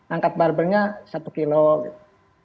angkat barbernya satu kilo gitu